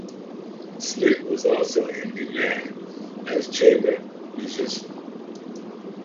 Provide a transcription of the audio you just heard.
Schmidt was also in demand as a chamber musician.